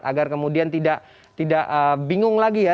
agar kemudian tidak bingung lagi ya